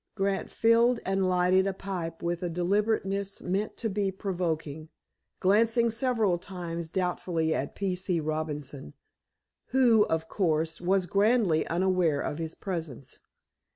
Grant filled and lighted a pipe with a deliberateness meant to be provoking, glancing several times doubtfully at P. C. Robinson, who, of course, was grandly unaware of his presence.